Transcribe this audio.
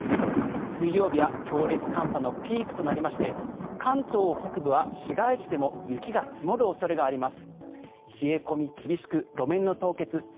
水曜日は強烈寒波のピークとなりまして関東北部は市街地でも雪が積もる恐れがあります。